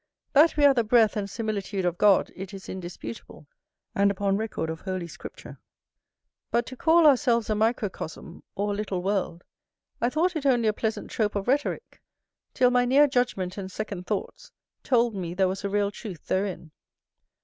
That we are the breath and similitude of God, it is indisputable, and upon record of Holy Scripture: but to call ourselves a microcosm, or little world, I thought it only a pleasant trope of rhetorick, till my near judgment and second thoughts told me there was a real truth therein.